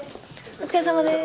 お疲れさまです。